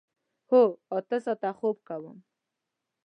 هو، اته ساعته خوب کوم